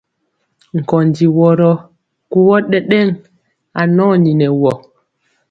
Kondi wɔgɔ, kuwɔ ɗɛɗɛŋ anɔni nɛ wɔ.